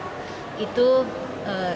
jadi itu bukan pemberhentian